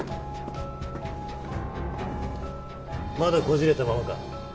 まだこじれたままか。